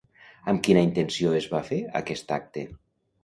Amb quina intenció es va fer aquest acte?